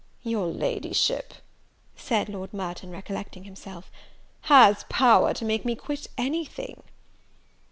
"Your Ladyship," said Lord Merton, recollecting himself, "has power to make me quit any thing."